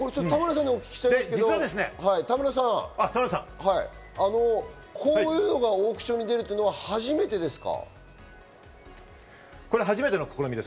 田村さんにお聞きしたいんですけど、田村さん、こういうのがオークションに出るのは初めてですか？